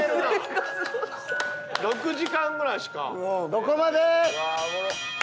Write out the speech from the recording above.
そこまで！